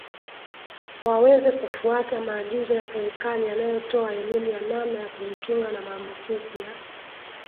waweze kufuata maagizo ya Serikali yanayotoa elimu ya namna ya kujikinga na maambukizi ya